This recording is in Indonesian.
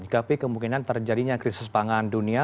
dikapi kemungkinan terjadinya krisis pangan dunia